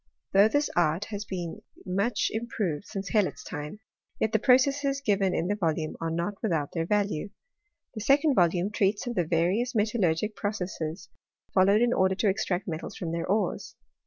Though this art has been much im proved since Hellot's time, yet the processes given in this volume are not without their value. The second volume treats of the various metallurgic processes fol lowed in order to extract metals from their ores.